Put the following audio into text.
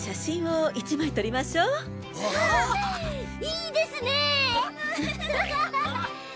いいですね！